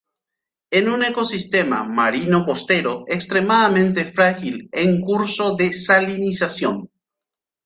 Es un ecosistema marino-costero extremadamente frágil en curso de salinización.